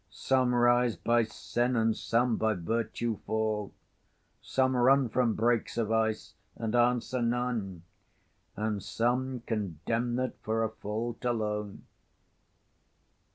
Some rise by sin, and some by virtue fall: Some run from brakes of ice, and answer none; And some condemned for a fault alone.